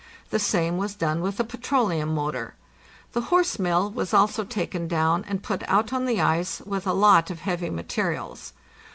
The same was done with the petroleum motor. The "horse mill"' was also taken down and put out on the ice, with a lot of heavy materials.